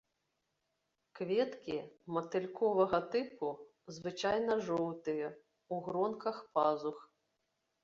Кветкі матыльковага тыпу, звычайна жоўтыя, у гронках пазух.